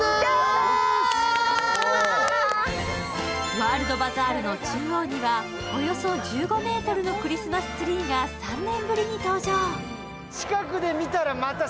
ワールドバザールの中央には、およそ１５ｍのクリスマスツリーが３年ぶりに登場。